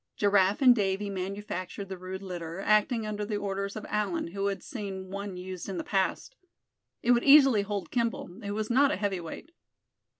Giraffe and Davy manufactured the rude litter, acting under the orders of Allan, who had seen one used in the past. It would easily hold Kimball, who was not a heavy weight.